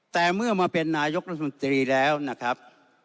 แต่เมื่อมาเป็นนายกรัฐมนตรีแล้วนะครับ